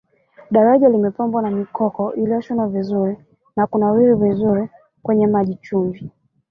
daraja limepambwa na mikoko iliyoshonana vizuri na kunawiri vizuri kwenye maji chumvi